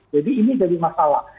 jadi ini jadi masalah